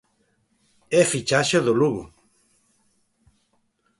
E fichaxe do Lugo.